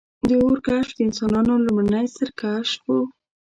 • د اور کشف د انسانانو لومړنی ستر کشف و.